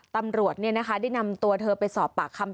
ตำรวจได้นำตัวเธอไปสอบปากคำ